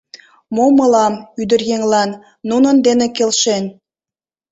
Мо мылам, ӱдыръеҥлан, нунын дене келшен?